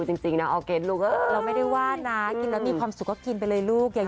เอาเป็นว่าน่ารักนั่นละค่ะ